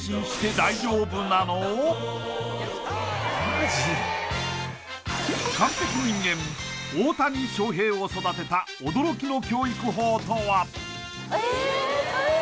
大谷翔平を育てた驚きの教育法とは？